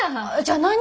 じゃあ何？